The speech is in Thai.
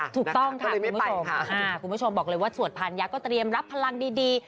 ถูกต้องค่ะคุณผู้ชมคุณผู้ชมบอกเลยว่าสวดพานยักษ์ก็เตรียมรับพลังดี